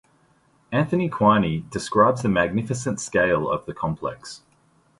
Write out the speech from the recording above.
Anthony Quiney describes the "magnificent scale" of the complex.